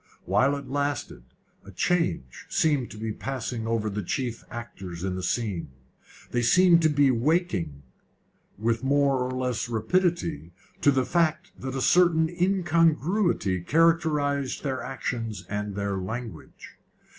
While it lasted, a change seemed to be passing over the chief actors in the scene. They seemed to be awaking, with more or less rapidity, to the fact that a certain incongruity characterised their actions and their language.